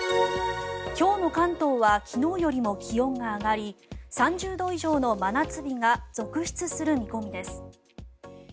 今日の関東は昨日よりも気温が上がり３０度以上の真夏日が続出する見込みです。